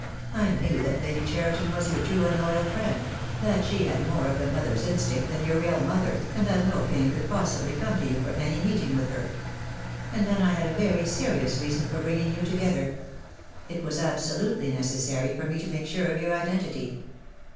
I knew that Lady Cheriton was your true and loyal friend — that she had more of the mother's instinct than your real mother, and that no pain could possibly come to you from any meeting with her. And then I had a very serious reason for bringing you together. It was ab solutely necessary for me to make sure of your identity."